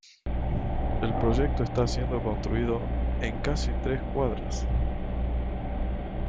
El proyecto está siendo construido en casi tres cuadras.